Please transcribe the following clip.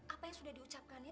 apa yang sudah diucapkannya